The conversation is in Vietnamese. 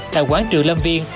tại quán trường lâm viên